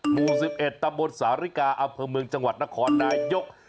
หมู่๑๑ตะบดสาธาริกาอัพพลเมืองจังหวัดนครนายก